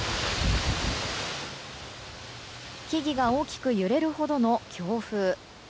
木々が大きく揺れるほどの強風。